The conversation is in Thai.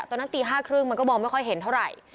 ตี๕๓๐มันก็มองไม่ค่อยเห็นเท่าไหร่